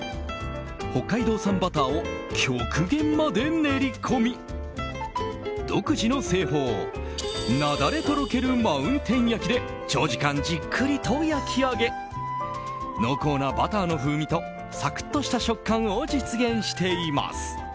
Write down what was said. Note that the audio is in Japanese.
北海道産バターを極限まで練り込み独自の製法、なだれとろけるマウンテン焼きで長時間じっくりと焼き上げ濃厚なバターの風味とサクッとした食感を実現しています。